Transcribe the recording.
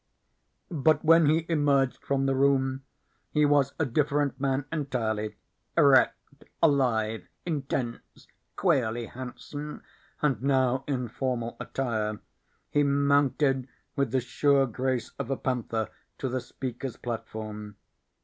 But when he emerged from the room he was a different man entirely. Erect, alive, intense, queerly handsome, and now in formal attire, he mounted with the sure grace of a panther to the speaker's platform.